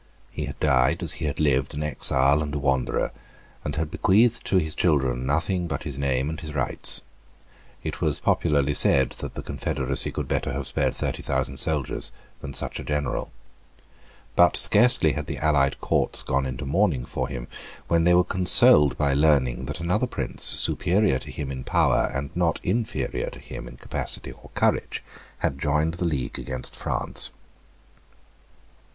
He had died, as he had lived, an exile and a wanderer, and had bequeathed to his children nothing but his name and his rights. It was popularly said that the confederacy could better have spared thirty thousand soldiers than such a general. But scarcely had the allied Courts gone into mourning for him when they were consoled by learning that another prince, superior to him in power, and not inferior to him in capacity or courage, had joined the league against France.